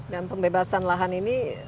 dan pembebasan lahan ini